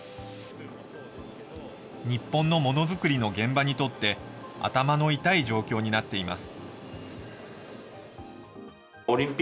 日本のもの作りの現場にとって、頭の痛い状況になっています。